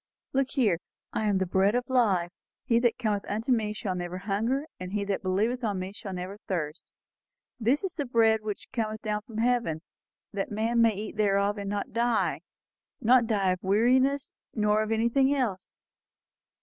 "Look here 'I am the bread of life; he that cometh to me shall never hunger; and he that believeth on me shall never thirst... This is the bread which cometh down from heaven, that a man may eat thereof and not die.' Not die of weariness, nor of anything else."